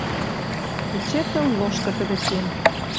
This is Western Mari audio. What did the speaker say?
Эче тыл лошкы тӹдӹ кен.